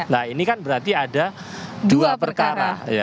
nah ini kan berarti ada dua perkara